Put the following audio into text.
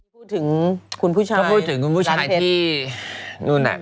พูดถึงคุณผู้ชายร้านเพชร